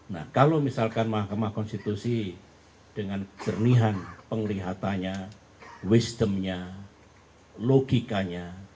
nah kalau misalkan mahkamah konstitusi dengan jernihan penglihatannya wisdomnya logikanya